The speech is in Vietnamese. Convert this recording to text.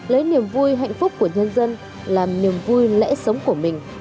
lấy niềm vui hạnh phúc của nhân dân làm niềm vui lẽ sống của mình